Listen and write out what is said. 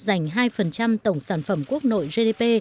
dành hai tổng sản phẩm quốc nội gdp